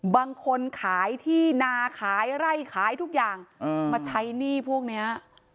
บางคนขายที่นาขายไร่ขายทุกอย่างมาใช้หนี้พวกเนี้ย